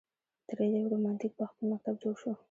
ترې یو رومانتیک پښتون مکتب جوړ شو.